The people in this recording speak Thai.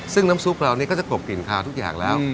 ซึ่งน้ำซุปเรานี่ก็จะกบกลิ่นคาวทุกอย่างแล้ว